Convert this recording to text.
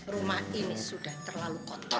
rumah ini sudah terlalu kotor